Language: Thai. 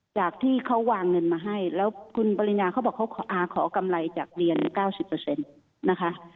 จากที่เขาวางเงินมาให้แล้วคุณปริญญาเขาบอกอ่าขอกำไรจากเดียนเก้าสิบเปอร์เซ็นต์นะคะ